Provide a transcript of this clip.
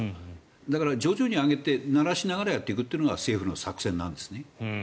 だから徐々に上げてならしながらやっていくのが政府の作戦なんですね。